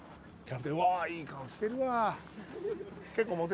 うわいい顔してるわぁ。